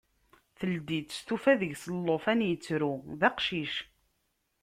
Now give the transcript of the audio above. Teldi-tt, tufa deg-s llufan ittru, d aqcic.